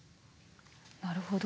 なるほど。